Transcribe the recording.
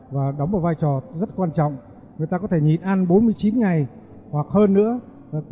và đóng một vai trò rất quan trọng người ta có thể nhìn ăn bốn mươi chín ngày hoặc hơn nữa